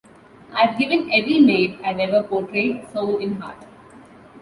I've given every maid I've ever portrayed soul and heart.